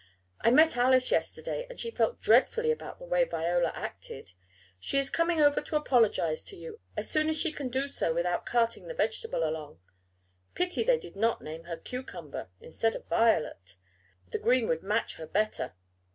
I met Alice yesterday and she felt dreadfully about the way Viola acted. She is coming over to apologize to you as soon as she can do so without carting the vegetable along. Pity they did not name her cucumber instead of violet the green would match her better.